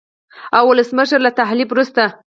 او ولسمشر له تحلیف وروسته